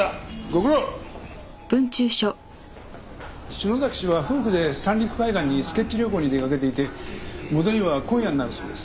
篠崎氏は夫婦で三陸海岸にスケッチ旅行に出かけていて戻りは今夜になるそうです。